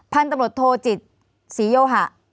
พันธบรรทโทจิตศรีโยหะ